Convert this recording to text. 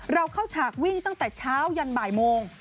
เราเข้าฉากวิ่งตั้งแต่เช้ายันบ่ายโมง